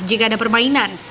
jika ada permainan